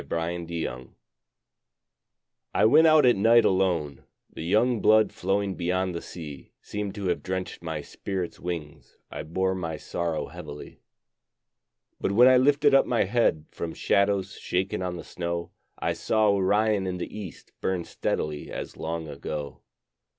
Winter Stars I went out at night alone; The young blood flowing beyond the sea Seemed to have drenched my spirit's wings I bore my sorrow heavily. But when I lifted up my head From shadows shaken on the snow, I saw Orion in the east Burn steadily as long ago.